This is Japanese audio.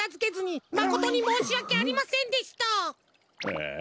ああ。